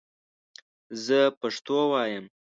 زه پښتو وایم